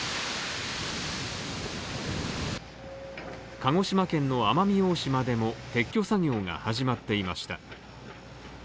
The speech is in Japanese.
鹿児島県の奄美大島でも撤去作業が始まっていました。